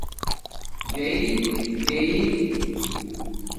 ڈیئ گیئ